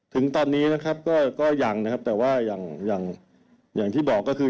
ถึงตอนนี้นะครับก็ยังนะครับแต่ว่าอย่างอย่างที่บอกก็คือ